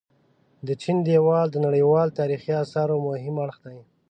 د چين ديوال د نړيوال تاريخي اثارو مهم اړخ دي.